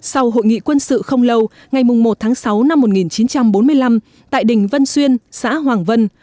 sau hội nghị quân sự không lâu ngày một tháng sáu năm một nghìn chín trăm bốn mươi năm tại đỉnh vân xuyên xã hoàng vân